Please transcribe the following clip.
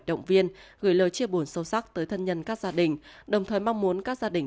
động viên gửi lời chia buồn sâu sắc tới thân nhân các gia đình đồng thời mong muốn các gia đình